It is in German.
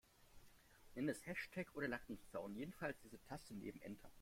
Nenn es Hashtag oder Lattenzaun, jedenfalls diese Taste neben Enter.